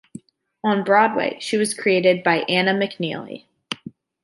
On Broadway she was created by Anna McNeely.